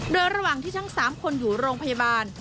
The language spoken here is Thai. โดยระหว่างที่ทั้ง๓คนอยู่โรงพยาบาล